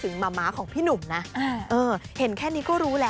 น่ารักนะ